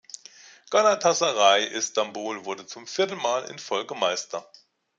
Galatasaray Istanbul wurde zum vierten Mal in Folge Meister.